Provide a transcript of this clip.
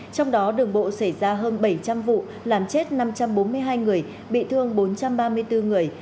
trong đó đường bộ xảy ra hơn bảy trăm linh vụ làm chết năm trăm bốn mươi hai người bị thương bốn trăm ba mươi bốn người